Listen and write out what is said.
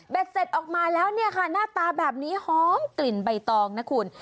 เสร็จออกมาแล้วเนี่ยค่ะหน้าตาแบบนี้หอมกลิ่นใบตองนะคุณ